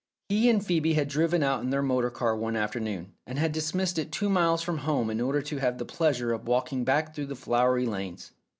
He and Phcebe had driven out in their motor car one afternoon, and had dismissed it two miles from home in order to have the pleasure of walking back through the flowery lanes.